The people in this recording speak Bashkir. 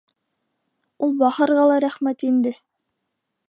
Ул бахырға ла рәхмәт инде.